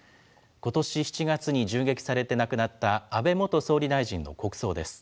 ことし７月に銃撃されて亡くなった安倍元総理大臣の国葬です。